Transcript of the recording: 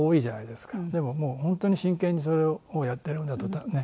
でももう本当に真剣にそれをやってるんだとね。